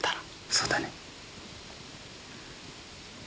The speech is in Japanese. そうだね。